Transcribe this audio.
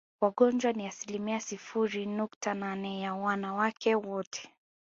Wagonjwa ni asilimia sifuri nukta nane ya wanawake wote